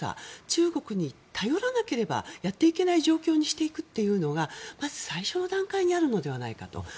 中国に頼らなければやっていけない状況にしていくというのがまず最初の段階にあるのではないかと。